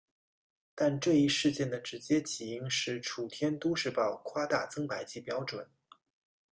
但这一事件的直接起因是楚天都市报夸大增白剂标准。